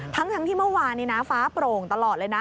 ทั้งที่เมื่อวานนี้นะฟ้าโปร่งตลอดเลยนะ